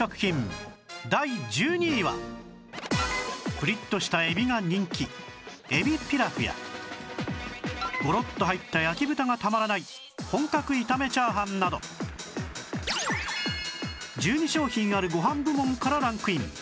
プリッとしたえびが人気えびピラフやゴロッと入った焼き豚がたまらない本格炒め炒飯など１２商品あるご飯部門からランクイン